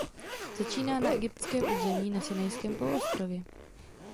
Začíná na egyptském území na Sinajském poloostrově.